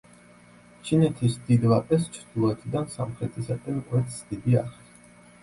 ჩინეთის დიდ ვაკეს ჩრდილოეთიდან სამხრეთისაკენ კვეთს დიდი არხი.